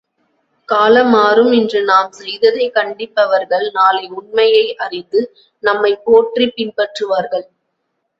காலம்மாறும் இன்று நாம் செய்ததைக் கண்டிப்பவர்கள் நாளை உண்மையை அறிந்து நம்மைப் போற்றிப் பின்பற்றுவார்கள்.